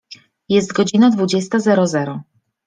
Jest godzina dwudziesta zero zero.